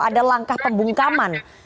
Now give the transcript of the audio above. ada langkah pembungkaman